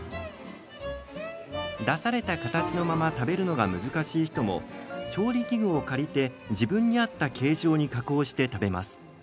出された形のまま食べるのが難しい人も、調理器具を借りて自分に合った形状に加工して食べます。